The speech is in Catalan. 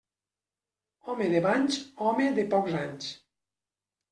Home de banys, home de pocs anys.